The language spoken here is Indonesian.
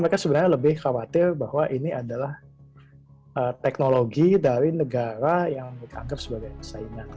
mereka merasa lebih khawatir tentang teknologi dari negara yang dianggap sebagai sainah